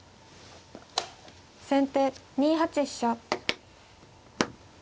先手２八飛車。